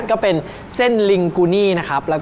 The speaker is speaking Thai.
ก็เป็นเส้นลิงกูนี่นะครับ